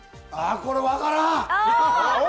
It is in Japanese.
これわからん！